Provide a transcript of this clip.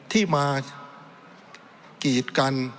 ที่มากีดกัน